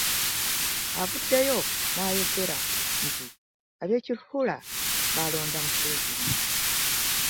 Avuddeyo n'ayongerako nti, ab'e Kiruhura baalonda Museveni